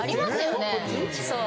そう。